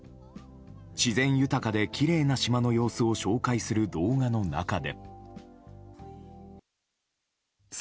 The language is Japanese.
自然豊かできれいな島の様子を紹介する動画の中で。